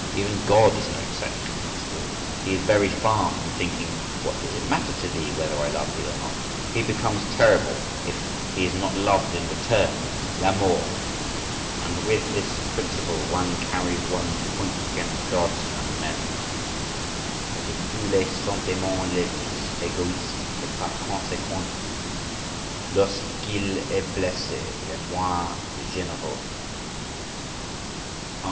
… Even God is no exception to this rule, he is very far from thinking "What does it matter to thee whether I love thee or not?"—He becomes terrible if he is not loved in return "L'amour—and with this principle one carries one's point against Gods and men—est de tous les sentiments le plus égoiste, et par conséquent, lorsqu'il est blessé, le moins généreux" (B. Constant).